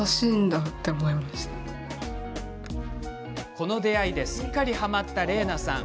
この出会いですっかりはまった伶奈さん。